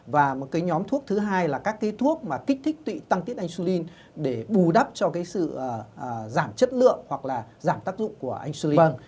và một nhóm thuốc thứ hai là các thuốc kích thích tụy tăng tiết insulin để bù đắp cho sự giảm chất lượng hoặc giảm tác dụng của insulin